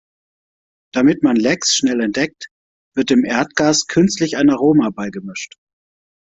Damit man Lecks schnell entdeckt, wird dem Erdgas künstlich ein Aroma beigemischt.